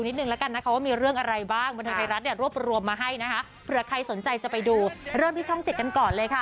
นิดนึงแล้วกันนะคะว่ามีเรื่องอะไรบ้างบันเทิงไทยรัฐเนี่ยรวบรวมมาให้นะคะเผื่อใครสนใจจะไปดูเริ่มที่ช่องเจ็ดกันก่อนเลยค่ะ